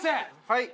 はい。